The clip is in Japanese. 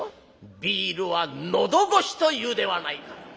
「『ビールは喉越し』と言うではないか」。